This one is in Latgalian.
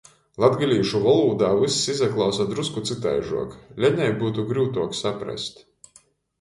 Latgalīšu volūdā vyss izaklausa drusku cytaižuok, Lenei byutu gryutuok saprast.